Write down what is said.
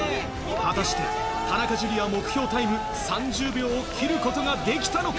果たして、田中樹は目標タイム３０秒を切ることができたのか。